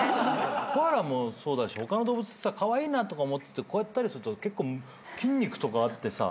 コアラもそうだし他の動物さカワイイなとか思っててこうやったりすると結構筋肉とかあってさ